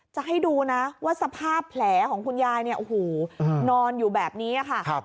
จะให้ดูนะว่าสภาพแผลของคุณยายเนี่ยโอ้โหนอนอยู่แบบนี้ค่ะ